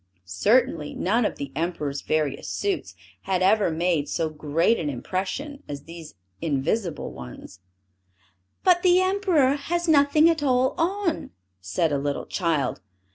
Certainly, none of the Emperor's various suits, had ever made so great an impression, as these invisible ones. "But the Emperor has nothing at all on!" said a little child.